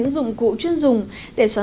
c nunching quá